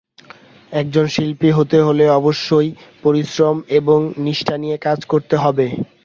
একজন শিল্পী হতে হলে অবশ্যই পরিশ্রম এবং নিষ্ঠা নিয়ে কাজ করতে হবে।